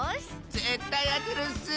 ぜったいあてるッス！